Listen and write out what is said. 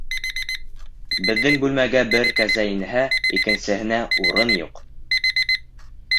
Беҙҙең бүлмәгә бер кәзә инһә, икенсеһенә урын юҡ!